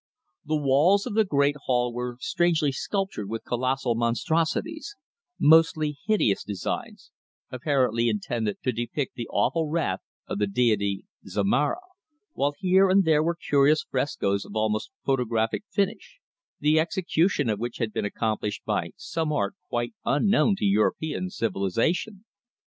The walls of the great hall were strangely sculptured with colossal monstrosities, mostly hideous designs, apparently intended to depict the awful wrath of the deity Zomara, while here and there were curious frescoes of almost photographic finish, the execution of which had been accomplished by some art quite unknown to European civilization.